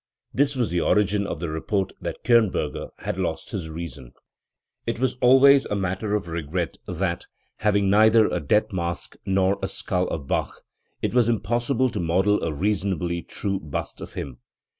This was the origin of the report that Kirnberger had lost his reason*." It was always a matter of regret that, having neither a death mask nor a skull of Bach, it was impossible to model a reasonably true bust of him.